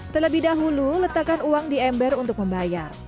terlebih dahulu letakkan uang di ember untuk membayar